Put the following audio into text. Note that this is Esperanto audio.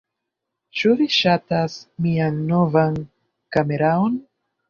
Ĉu vi ŝatas mian novan kameraon?